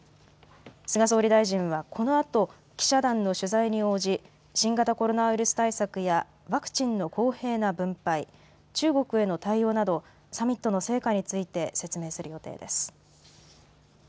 菅総理大臣はこのあと記者団の取材に応じ新型コロナウイルス対策やワクチンの公平な分配中国への対応などサミットの成果について説明する予定です。